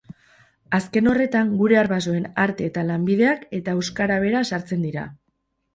Azken horretan, gure arbasoen arte eta lanbideak eta euskara bera sartzen dira.